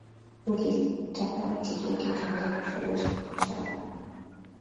Ukikata tiketi, utaweza kuchagua chakula chako.